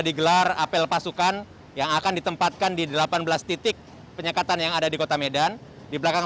digelar apel pasukan yang akan ditempatkan di delapan belas titik penyekatan yang ada di kota medan di belakang